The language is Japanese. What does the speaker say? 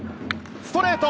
ストレート。